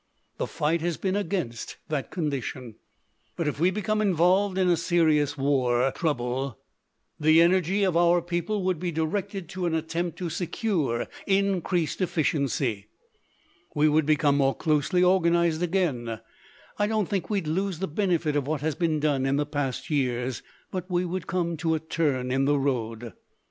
The fight has been against that condition. "But if we became involved in a serious war trouble the energy of our people would be directed to an attempt to secure increased efficiency. We 121 LITERATURE IN THE MAKING would become closely organized again. I don't think we'd lose the benefit of what has been done in the past years, but we would come to a turn in the road.